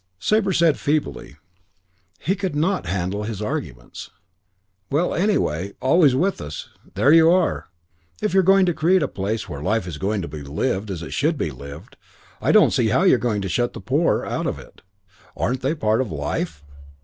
Sabre said feebly he could not handle his arguments "Well, anyway, 'always with us' there you are. If you're going to create a place where life is going to be lived as it should be lived, I don't see how you're going to shut the poor out of it. Aren't they a part of life?